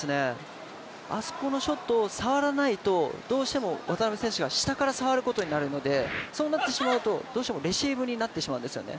あそこのショットを触らないとどうしても渡辺選手が下から触ることになるのでそうなってしまうと、どうしてもレシーブになってしまうんですよね。